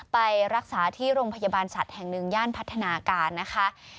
ไปรักษาที่โรงพยาบาลสัตว์แห่งหนึ่งย่านพัฒนาการนะคะ